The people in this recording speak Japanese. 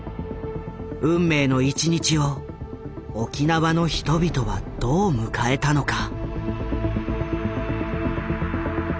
運命の１日を沖縄の人々はどう迎えたのか。